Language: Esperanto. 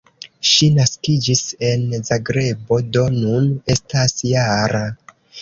Ŝi naskiĝis en Zagrebo, do nun estas -jara.